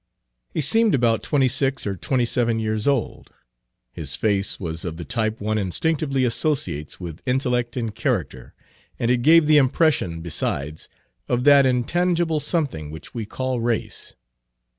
He seemed about twenty six or twenty seven years old. His face was of the type one instinctively associates with intellect and character, and it gave the impression, besides, of that intangible something which we call race.